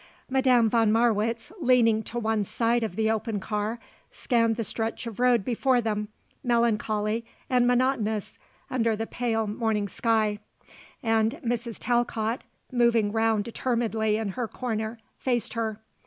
Madame von Marwitz, leaning to one side of the open car, scanned the stretch of road before them, melancholy and monotonous under the pale morning sky, and Mrs. Talcott, moving round determinedly in her corner, faced her.